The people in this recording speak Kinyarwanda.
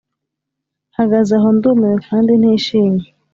mpagaze aho ndumiwe kandi ntishimye.